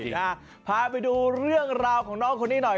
พาไปดูเรื่องราวของน้องคนนี้หน่อย